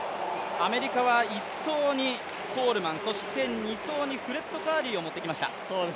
アメリカは１走にコールマン、そして２走にフレッド・カーリーを持ってきました。